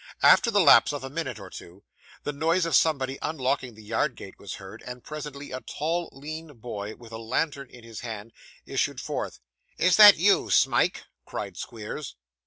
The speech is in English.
After the lapse of a minute or two, the noise of somebody unlocking the yard gate was heard, and presently a tall lean boy, with a lantern in his hand, issued forth. 'Is that you, Smike?' cried Squeers.